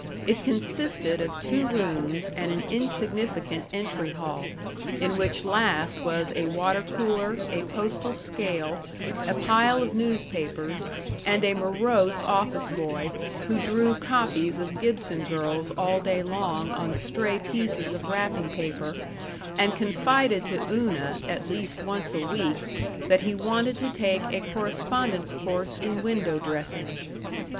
It consisted of two rooms and an insignificant entry hall, in which last was a water cooler, a postal scale, a pile of newspapers, and a morose office boy who drew copies of Gibson girls all day long on stray pieces of wrapping paper, and confided to Una, at least once a week, that he wanted to take a correspondence course in window dressing.